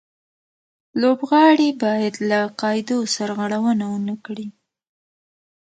لوبغاړي باید له قاعدو سرغړونه و نه کړي.